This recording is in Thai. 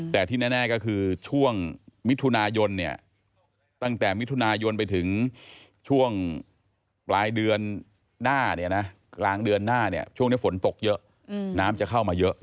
แต่ที่แน่ก็คือช่วงมิถุนายนเนี่ยตั้งแต่มิถุนายนไปถึงช่วงปลายเดือนหน้าเนี่ยนะ